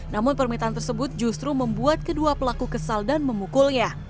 namun permintaan tersebut justru membuat kedua pelaku kesal dan memukulnya